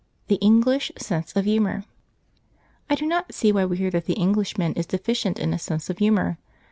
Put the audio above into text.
The English sense of humour. I do not see why we hear that the Englishman is deficient in a sense of humour.